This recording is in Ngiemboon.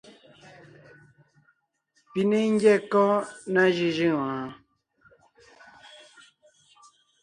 Pi ne ńgyɛ́ kɔ́ ná jʉ́jʉ́ŋ wɔɔn?